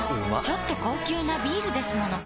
ちょっと高級なビールですもの